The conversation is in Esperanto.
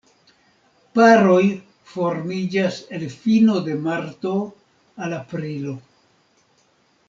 Paroj formiĝas el fino de marto al aprilo.